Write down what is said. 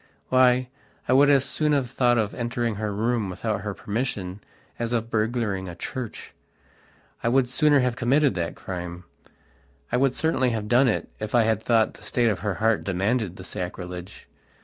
Why, I would as soon have thought of entering her room without her permission as of burgling a church. I would sooner have committed that crime. I would certainly have done it if I had thought the state of her heart demanded the sacrilege.